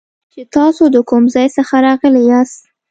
چې تاسو د کوم ځای څخه راغلي یاست